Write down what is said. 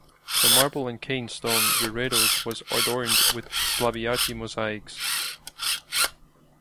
The marble and Caen stone reredos was adorned with Salviati mosaics.